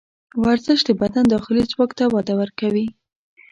ورزش د بدن داخلي ځواک ته وده ورکوي.